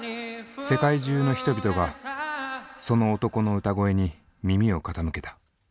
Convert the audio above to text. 世界中の人々がその男の歌声に耳を傾けた。